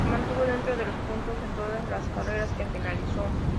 Se mantuvo dentro de los puntos en todas las carreras que finalizó.